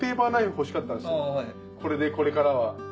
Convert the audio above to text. これでこれからは。